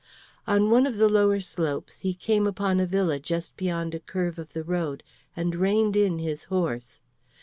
On one of the lower slopes he came upon a villa just beyond a curve of the road, and reined in his horse.